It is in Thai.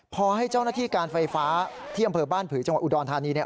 พอให้เจ้าหน้าที่การไฟฟ้าที่อำเภอบ้านผือจังหวัดอุดรธานีเนี่ย